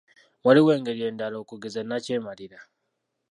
Waliwo engeri endala, okugeza: Nnakyemalira.